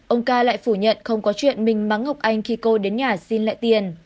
ông ca lại phủ nhận không có chuyện mình mắng ngọc anh khi cô đến nhà xin lại tiền